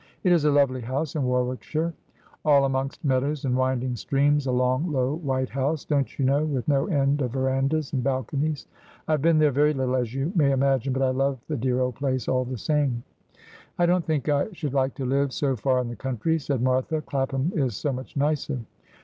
' It is a lovely house in Warwickshire, all amongst meadows and winding streams — a long, low, white house, don't you know, with no end of verandahs and balconies. I have been there very little, as you may imagine, but I love the dear old place all the same.' ' I don't think I should like to live so far in the country,' said Martha :' Clapham is so much nicer.'